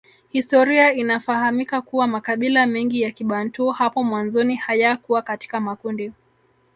Historia inafahamika kuwa makabila mengi ya kibantu hapo mwanzoni hayakuwa katika makundi